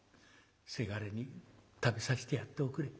「倅に食べさせてやっておくれ」。